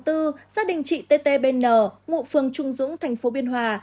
gia đình chị t t b n ngụ phường trung dũng thành phố biên hòa